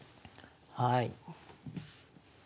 はい。